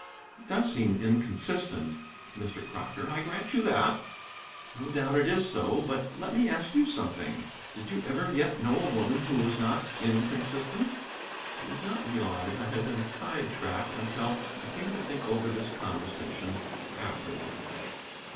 "It does seem inconsistent, Mr. Crocker; I grant you that. No doubt it is so. But let me ask you something: did you ever yet know a woman who was not inconsistent?" I did not realize I had been side tracked until I came to think over this conversation afterwards.